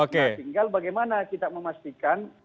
tinggal bagaimana kita memastikan